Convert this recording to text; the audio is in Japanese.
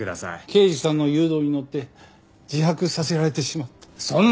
刑事さんの誘導にのって自白させられてしまったんです。